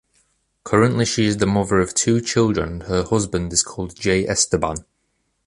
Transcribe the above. Currently she is the mother of two children and her husband is called Jay Esteban.